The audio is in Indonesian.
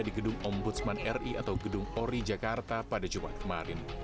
di gedung ombudsman ri atau gedung ori jakarta pada jumat kemarin